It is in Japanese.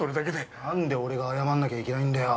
なんで俺が謝んなきゃいけないんだよ。